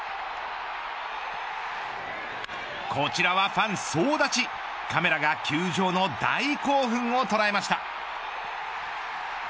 こちらはファン総立ちカメラが球場の大興奮を捉えました。